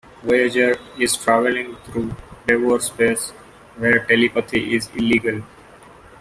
"Voyager" is travelling through Devore space, where telepathy is illegal.